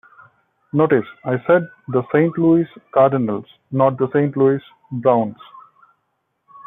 Notice I said the Saint Louis Cardinals, not the Saint Louis Browns.